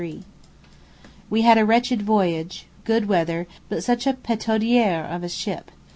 We had a wretched voyage, good weather, but such a pétaudière of a ship.